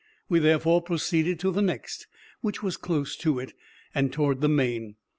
We therefore proceeded to the next, which was close to it, and towards the main.